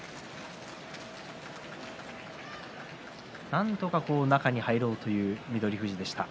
なんとか中に入ろうという翠富士でした。